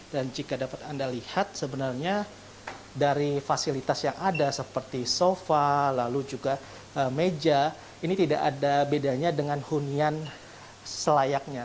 dan jika dapat anda lihat sebenarnya dari fasilitas yang ada seperti sofa lalu juga meja ini tidak ada bedanya dengan hunian selayaknya